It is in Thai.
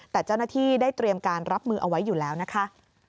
แต่เจ้าหน้าที่ได้เตรียมการรับมือเอาไว้อยู่แล้วนะคะ